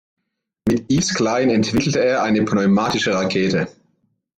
Mit Yves Klein entwickelte er eine pneumatische Rakete.